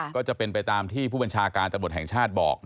ก็จะเป็นไปตามที่ผู้บัญชาการตำรวจแห่งชาติบอก